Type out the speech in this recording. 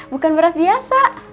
bukan beras biasa